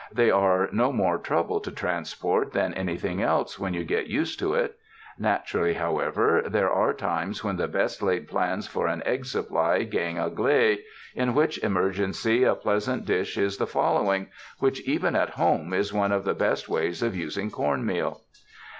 They are no more trouble to transport than anything else when you get used to it. Naturally, however there are times when the best laid plans for an egg supply gang agley, in which emergency, a pleasant dish is the following, which even at home is one of the best ways of using corn meal.